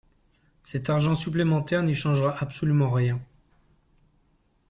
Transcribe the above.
Cet argent supplémentaire n’y changera absolument rien.